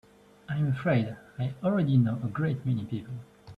I'm afraid I already know a great many people.